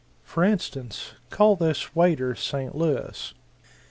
For instance, call this waiter St. Louis.